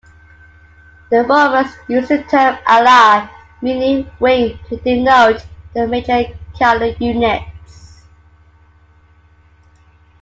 The Romans used the term "ala", meaning wing, to denote their major cavalry units.